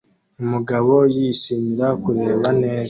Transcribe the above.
Umugabo yishimira kureba neza